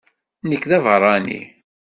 Nekk d abeṛṛani.